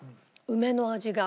梅の味が。